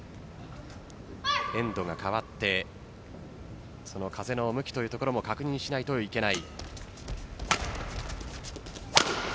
エンドが換わって風の向きというのも確認しないといけない。